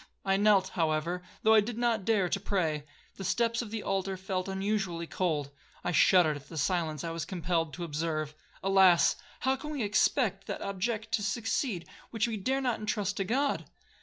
I knelt, however, though I did not dare to pray. The steps of the altar felt unusually cold,—I shuddered at the silence I was compelled to observe. Alas! how can we expect that object to succeed, which we dare not entrust to God.